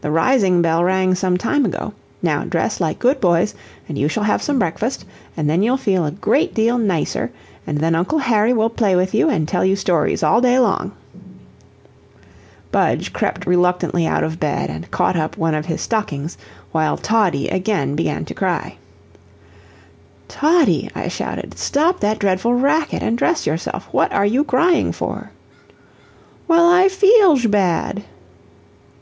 The rising bell rang some time ago. Now dress like good boys, and you shall have some breakfast, and then you'll feel a great deal nicer, and then Uncle Harry will play with you and tell you stories all day long." Budge crept reluctantly out of bed and caught up one of his stockings, while Toddie again began to cry. "Toddie," I shouted, "stop that dreadful racket, and dress yourself. What are you crying for?" "Well, I feelsh bad."